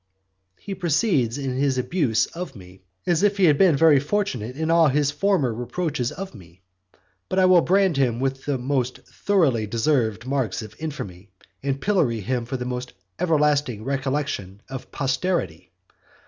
He proceeds in his abuse of me, as if he had been very fortunate in all his former reproaches of me; but I will brand him with the most thoroughly deserved marks of infamy, and pillory him for the everlasting recollection of posterity.